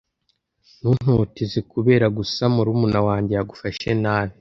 Ntuntoteze kubera gusa murumuna wanjye yagufashe nabi.